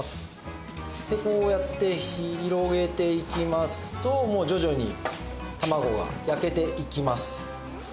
でこうやって広げていきますと徐々に卵が焼けていきます。